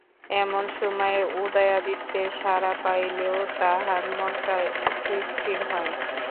এমন সময়ে উদয়াদিত্যের সাড়া পাইলেও তাঁহার মনটা একটু স্থির হয়।